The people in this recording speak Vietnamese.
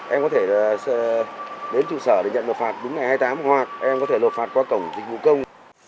em có thể đến trụ sở để nhận một phạt đúng ngày hai mươi tám hoặc em có thể lột phạt qua cổng dịch vụ công